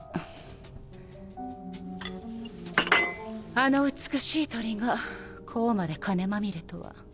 あの美しい鳥がこうまで金まみれとは。